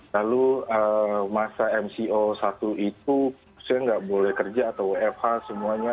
lalu masa mco satu itu saya nggak boleh kerja atau wfh semuanya